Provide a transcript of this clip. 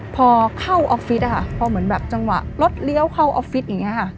พอเข้าออฟฟิศพอเหมือนแบบจังหวะรถเลี้ยวเข้าออฟฟิศอย่างนี้ค่ะ